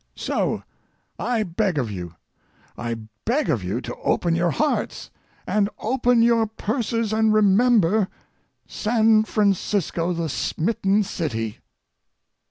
So I beg of you, I beg of you, to open your hearts and open your purses and remember San Francisco, the smitten city."